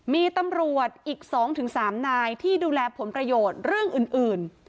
มีตำรวจอีก๒๓นายที่ดูแลผลประโยชน์เรื่องอื่น